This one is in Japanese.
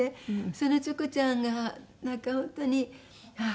そのチョコちゃんがなんか本当にああ